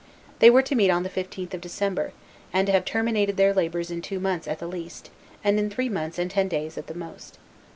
They were to meet on the 15th of December, and to have terminated their labors in two months at the least, and in three months and ten days at the most.